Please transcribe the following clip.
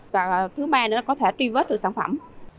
và thứ ba nữa là có thể truy vết được sản phẩm